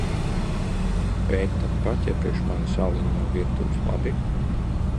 Beta, paķer priekš manis aliņu no virtuves, labi?